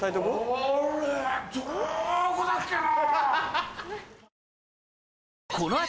あれどこだっけな？